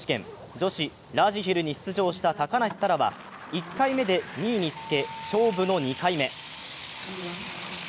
女子ラージヒルに出場した高梨沙羅は、１回目で２位につけ勝負の２回目。